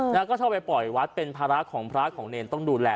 แล้วก็ชอบไปปล่อยวัดเป็นภาระของพระของเนรต้องดูแล